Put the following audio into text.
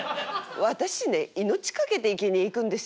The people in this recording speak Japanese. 私ね命懸けていけにえ行くんですよ。